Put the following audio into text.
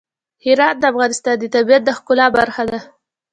هرات د افغانستان د طبیعت د ښکلا برخه ده.